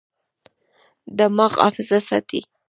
دماغ حافظه ساتي.